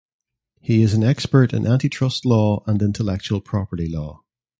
He is an expert in antitrust law and intellectual property law.